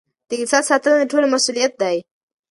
د اقتصاد ساتنه د ټولو مسؤلیت دی.